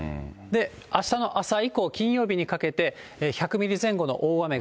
あしたの朝以降、金曜日にかけて１００ミリ前後の大雨が。